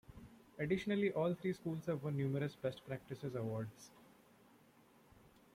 Additionally all three schools have won numerous Best Practices awards.